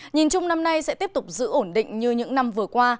nhìn chung năm nay sẽ tiếp tục giữ ổn định như những năm vừa qua